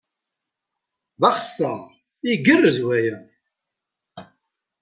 D axeṣṣar! Igerrez waya!